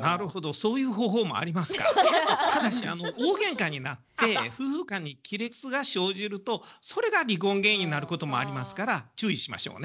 なるほどそういう方法もありますがただし大げんかになって夫婦間に亀裂が生じるとそれが離婚原因になることもありますから注意しましょうね。